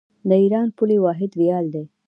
د ایران پولي واحد ریال دی.